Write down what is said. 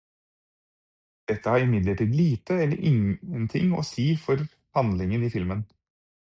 Dette har imidlertid lite eller ingenting å si for handlingen i filmen.